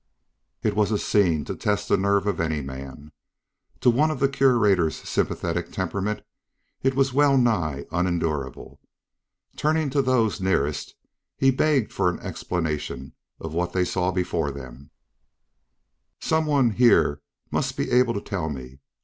It was a scene to test the nerve of any man. To one of the Curator's sympathetic temperament it was well nigh unendurable. Turning to those nearest, he begged for an explanation of what they saw before them: "Some one here must be able to tell me.